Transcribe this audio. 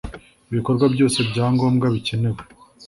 ibikorwa byose bya ngombwa bikenewe